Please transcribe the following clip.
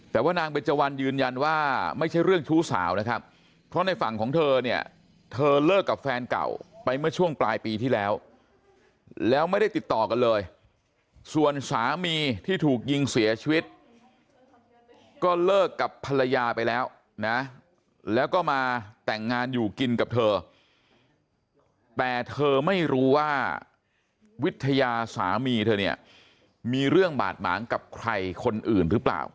แต่ว่านางเบจวันยืนยันว่าไม่ใช่เรื่องชู้สาวนะครับเพราะในฝั่งของเธอเนี่ยเธอเลิกกับแฟนเก่าไปเมื่อช่วงปลายปีที่แล้วแล้วไม่ได้ติดต่อกันเลยส่วนสามีที่ถูกยิงเสียชีวิตก็เลิกกับภรรยาไปแล้วนะแล้วก็มาแต่งงานอยู่กินกับเธอแต่เธอไม่รู้ว่าวิทยาสามีเธอเนี่ยมีเรื่องบาดหมางกับใครคนอื่นหรือเปล่า